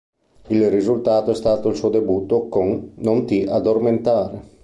Il risultato è stato il suo debutto con "Non ti addormentare".